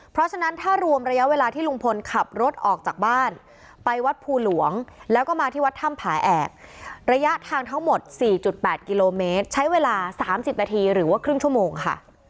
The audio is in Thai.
เพราะฉะนั้นถ้ารวมระยะเวลาที่ลุงพลขับรถออกจากบ้านไปวัดภูหลวงแล้วก็มาที่วัดถ้ำผาแอกระยะทางทั้งหมด๔๘กิโลเมตรใช้เวลา๓๐นาทีหรือว่าครึ่งชั่วโมงค่ะ